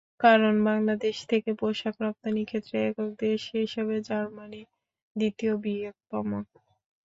কারণ, বাংলাদেশ থেকে পোশাক রপ্তানির ক্ষেত্রে একক দেশ হিসেবে জার্মানি দ্বিতীয় বৃহত্তম।